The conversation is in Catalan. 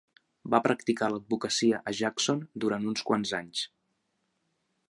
Va practicar l'advocacia a Jackson durant uns quants anys.